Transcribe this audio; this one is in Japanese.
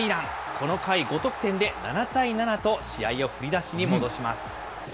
この回、５得点で７対７と試合を振り出しに戻します。